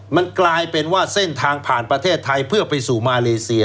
มันกลายเป็นว่าเส้นทางผ่านประเทศไทยเพื่อไปสู่มาเลเซีย